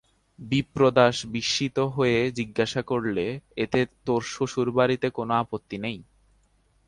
বিপ্রদাস বিস্মিত হয়ে জিজ্ঞাসা করলে, এতে তোর শ্বশুরবাড়িতে কোনো আপত্তি নেই?